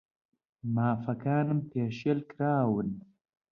مافەکانم پێشێل کراون.